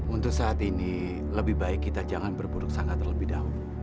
untuk saat ini lebih baik kita jangan berburuk sangga terlebih dahulu